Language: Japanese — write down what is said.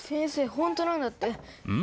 ホントなんだってうん？